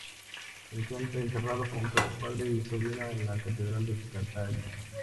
Se encuentra enterrado junto a su padre y sobrino en la Catedral de Catania.